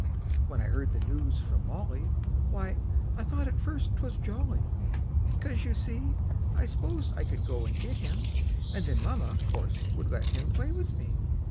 When I heard the news from Molly, Why, I thought at first 't was jolly, 'Cause, you see, I s'posed I could go and get him And then Mama, course, would let him Play with me.